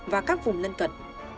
và các vùng lân cận